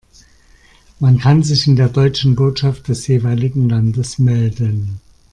Man kann sich in der deutschen Botschaft des jeweiligen Landes melden.